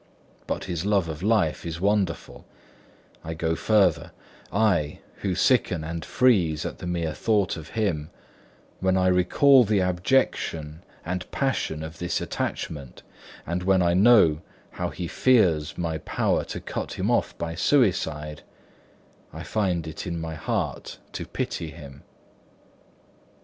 But his love of life is wonderful; I go further: I, who sicken and freeze at the mere thought of him, when I recall the abjection and passion of this attachment, and when I know how he fears my power to cut him off by suicide, I find it in my heart to pity him.